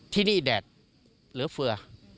ที่นี่แดดเหลือเฟือ